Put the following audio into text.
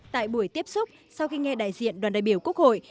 tại buổi tiếp xúc sau khi nghe đại diện đoàn đại biểu quốc hội